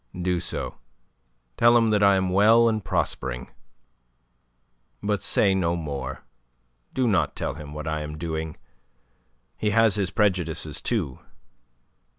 "Do so. Tell him that I am well and prospering. But say no more. Do not tell him what I am doing. He has his prejudices too.